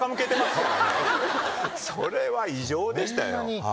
それは異常でしたよ。